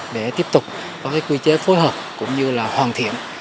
để tiếp tục có quy chế phối hợp cũng như là hoàn thiện